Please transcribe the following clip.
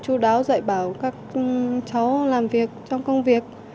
chú đáo dạy bảo các cháu làm việc trong công việc